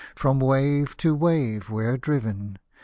From wave to wave we're driven.